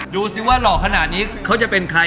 ดูสิว่าหล่อขนาดนี้เขาจะเป็นใคร